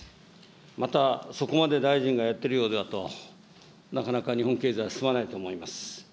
また、そこまで大臣がやっているようだと、なかなか日本経済進まないと思います。